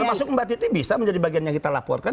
termasuk mbak titi bisa menjadi bagian yang kita laporkan